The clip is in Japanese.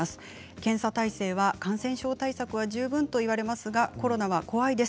検査態勢は感染症対策は十分といわれますがコロナは怖いです。